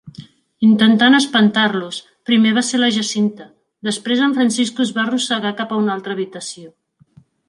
Intentant espantar-los, primer va ser la Jacinta, després en Francisco es va arrossegar cap a una altra habitació.